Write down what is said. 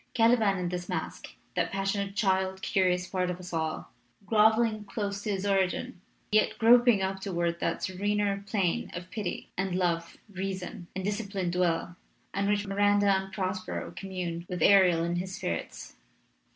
Cali ban is in this masque that passionate child curious part of us all, groveling close to his origin, yet groping up toward that serener plane of pity and love, reason, and disciplined will, on which Miranda and Prospero commune with Ariel and his spirits.